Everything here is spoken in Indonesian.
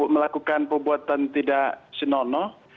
melakukan perbuatan tidak senonoh